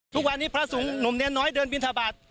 ทุกวันนี้พระศงฆ์หนุมเนี๊ยนน้อยเดินบิณฑบาต